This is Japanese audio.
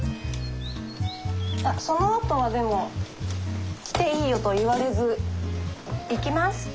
あっそのあとはでも来ていいよと言われず行きますって。